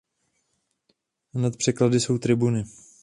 Nad překlady jsou tribuny.